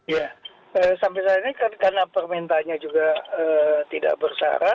ya sampai saat ini karena permintanya juga tidak bersahara